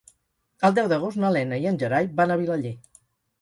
El deu d'agost na Lena i en Gerai van a Vilaller.